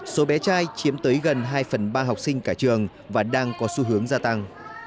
số bé trai chiếm tới gần hai phần ba học sinh cả trường và đang có xu hướng gia tăng